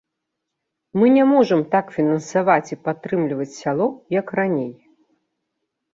Мы не можам так фінансаваць і падтрымліваць сяло, як раней.